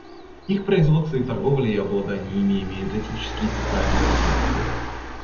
Их производство и торговля и обладание ими имеют этические и социальные последствия.